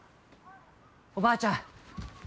・おばあちゃん！